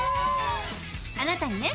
あなたにね